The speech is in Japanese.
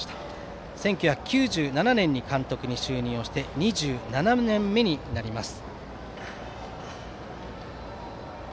１９９７年に監督に就任をして２７年目になります。